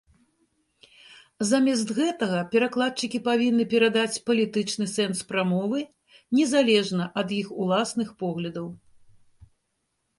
Замест гэтага перакладчыкі павінны перадаць палітычны сэнс прамовы, незалежна ад іх уласных поглядаў.